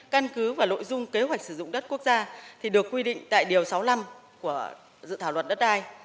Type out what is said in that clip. căn cứ và nội dung kế hoạch sử dụng đất quốc gia được quy định tại điều sáu mươi năm của dự thảo luật đất đai